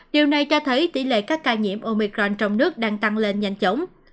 điều này cho thấy tỷ lệ các ca nhiễm omicron trong nước đang tăng lên nhanh chóng